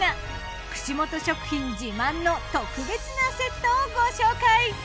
串本食品自慢の特別なセットをご紹介。